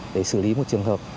để xử lý một trường hợp